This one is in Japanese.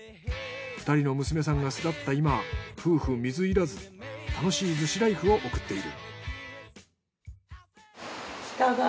２人の娘さんが巣立った今夫婦水入らず楽しい逗子ライフを送っている。